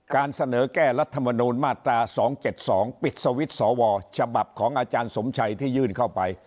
การเสนอแก้รัฐมนูลมาตรา๒๗๒ปิดสวิตช์สวฉบับของอาจารย์สมชัยที่ยื่นเข้าไป